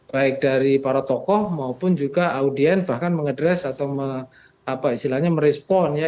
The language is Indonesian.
baik dari para tokoh maupun juga audien bahkan mengedres atau merespon ya